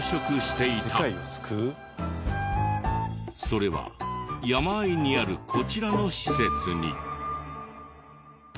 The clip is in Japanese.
それは山あいにあるこちらの施設に。